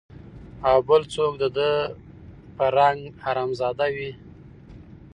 او بل څوک د ده په رنګ حرامزاده وي